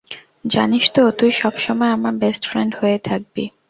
জানিস তো তুই সবসময় আমার বেস্ট ফ্রেন্ড হয়েই থাকবি।